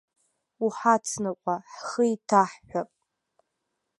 Уҳацныҟәа, ҳхы еиҭаҳҳәап.